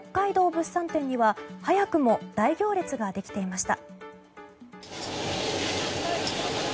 物産展には早くも大行列ができていました。